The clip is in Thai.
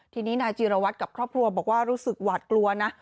ทีนี้นายจีรวัตรกับครอบครัวบอกว่ารู้สึกหวาดกลัวนะ